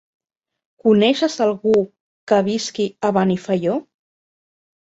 Coneixes algú que visqui a Benifaió?